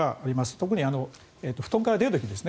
特に布団から出る時ですね